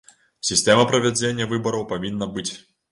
Сістэма правядзення выбараў павінна быць.